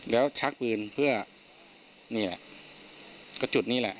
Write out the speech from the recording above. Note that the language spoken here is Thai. แล้วชักปืนเพื่อนี่แหละก็จุดนี้แหละ